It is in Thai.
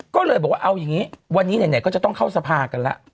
ก็เลยบอกว่าเอาอย่างนี้วันนี้ไหนก็จะต้องเข้าสภากันแล้ว